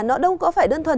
nó đâu có phải đơn thuần